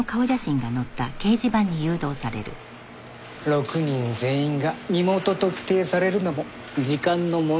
６人全員が身元特定されるのも時間の問題だな。